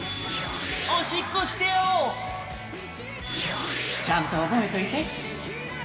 おしっこしてよ！ちゃんとおぼえといて。